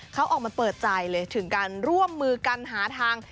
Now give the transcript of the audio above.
เขาออกมาเปิดใจเลยถึงการร่วมมือกันหาทาง